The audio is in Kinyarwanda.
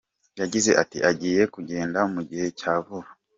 Yagize ati “Agiye kugenda mu gihe cya vuba.